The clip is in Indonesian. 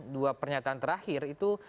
dua pernyataan terakhir itu